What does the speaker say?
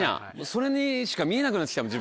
それにしか見えなくなって来たもん